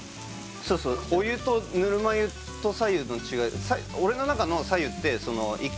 そうお湯とぬるま湯と白湯の違い